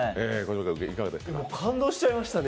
感動しちゃいましたね。